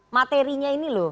materinya ini loh